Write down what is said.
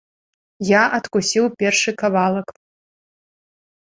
Я адкусіў першы кавалак.